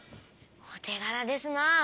おてがらですな。